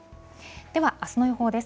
では、あすの予報です。